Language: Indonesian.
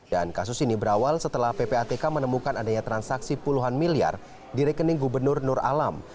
kasus ini berawal setelah ppatk menemukan adanya transaksi puluhan miliar di rekening gubernur nur alam